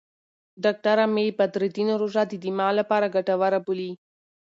ډاکټره مي بدرالدین روژه د دماغ لپاره ګټوره بولي.